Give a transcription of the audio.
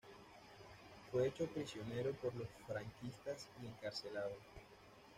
Fue hecho prisionero por los franquistas y encarcelado.